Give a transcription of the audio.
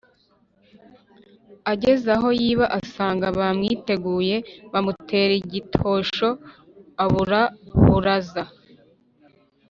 ageze aho yiba asanga bamwiteguye bamutera igitosho ubura buraza.